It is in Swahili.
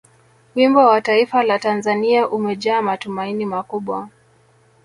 wimbo wa taifa la tanzania umejaa matumaini makubwa